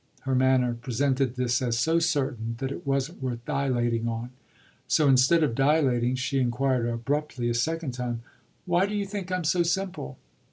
Her manner presented this as so certain that it wasn't worth dilating on; so instead of dilating she inquired abruptly a second time: "Why do you think I'm so simple?"